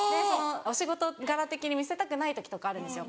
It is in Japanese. お仕事柄的に見せたくない時とかあるんですよ。